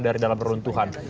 dari dalam peruntuhan